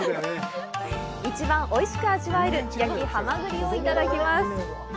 一番おいしく味わえる焼きハマグリをいただきます。